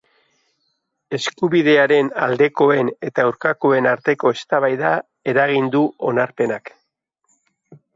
Eskubidearen aldekoen eta aurkakoen arteko eztabaida eragin du onarpenak.